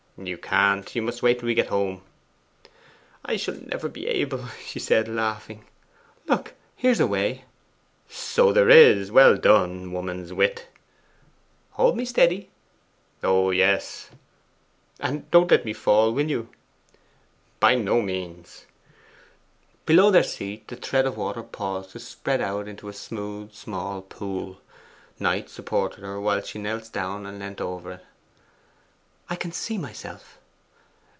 'You can't. You must wait till we get home.' 'I shall never be able,' she said, laughing. 'Look: here's a way.' 'So there is. Well done, woman's wit!' 'Hold me steady!' 'Oh yes.' 'And don't let me fall, will you?' 'By no means.' Below their seat the thread of water paused to spread out into a smooth small pool. Knight supported her whilst she knelt down and leant over it. 'I can see myself.